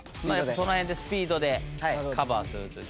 その辺でスピードでカバーするという。